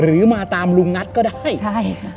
หรือมาตามลุงนัทก็ได้ใช่ค่ะ